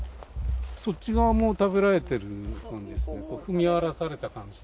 そっち側も食べられてる感じですね。